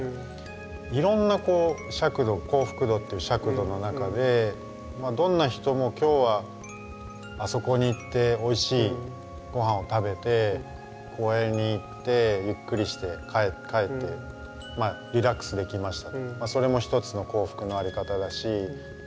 いろんな尺度幸福度という尺度の中でどんな人も今日はあそこに行っておいしいごはんを食べて公園に行ってゆっくりして帰ってリラックスできましたとかそれも一つの幸福の在り方だし。